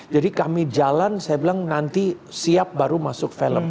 jadi kami jalan saya bilang nanti siap baru masuk film